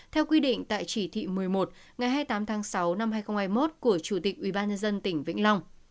theo quy định tại chỉ thị một mươi một ngày hai mươi tám tháng sáu năm hai nghìn hai mươi một của chủ tịch ubnd tỉnh vĩnh long